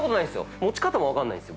持ち方も分かんないんすよ。